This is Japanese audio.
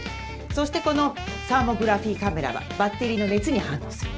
そしてこのサーモグラフィーカメラはバッテリーの熱に反応する。